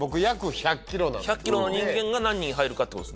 １００ｋｇの人間が何人入るかってことですね。